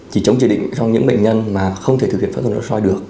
chỉ chống chỉ định cho những bệnh nhân mà không thể thực hiện phẫu thuật nội soi được